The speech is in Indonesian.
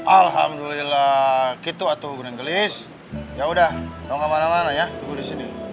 alhamdulillah kitu atuh guna gelis yaudah jangan kemana mana ya tunggu di sini